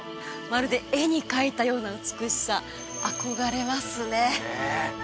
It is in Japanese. まるで絵に描いたような美しさ憧れますねねえ